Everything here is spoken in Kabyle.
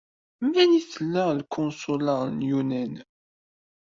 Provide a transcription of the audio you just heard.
Mani tella lkonsula n Lyunan?